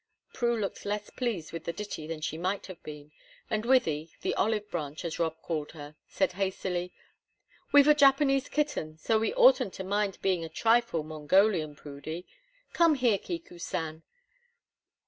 '"_ Prue looked less pleased with the ditty than she might have been, and Wythie, "the olivebranch," as Rob called her, said, hastily: "We've a Japanese kitten, so we oughtn't to mind being just a trifle Mongolian, Prudy. Come here, Kiku san."